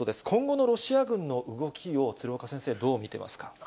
今後のロシア軍の動きを鶴岡先生、どう見てますか。